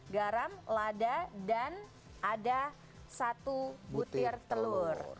garam lada dan ada satu butir telur